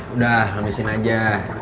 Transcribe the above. udah namisin aja